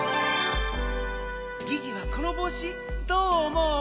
ギギはこのぼうしどうおもう？